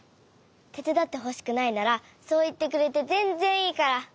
てつだってほしくないならそういってくれてぜんぜんいいから。